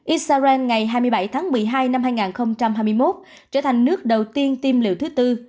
israel ngày hai mươi bảy tháng một mươi hai năm hai nghìn hai mươi một trở thành nước đầu tiên tiêm liệu thứ tư